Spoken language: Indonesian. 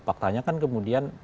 faktanya kan kemudian